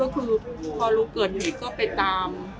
พอรู้เกิดหนิก็ไปตาม